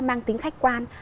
mang tính khách quan